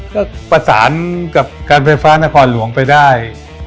ก็ประสานกับการไฟฟ้านครหลวงไปได้